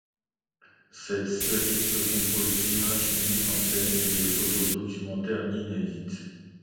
Cette série se compose d'images mises en scène et des photos documentaires inédites.